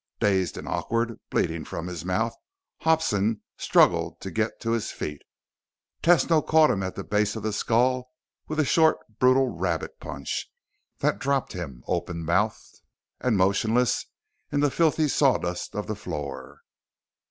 Dazed and awkward, bleeding from his mouth, Hobson struggled to get to his feet. Tesno caught him at the base of the skull with a short brutal rabbit punch that dropped him open mouthed and motionless in the filthy sawdust of the floor.